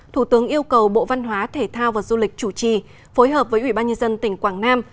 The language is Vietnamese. thủ tướng yêu cầu bộ văn hóa thể thao và du lịch chủ trì phối hợp với ủy ban nhân dân tỉnh quảng nam